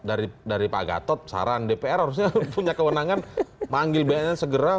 dari pak gatot saran dpr harusnya punya kewenangan manggil bnn segera